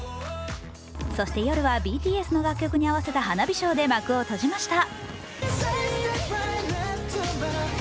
そして、夜はＢＴＳの楽曲に合わせた花火ショーで幕を閉じました。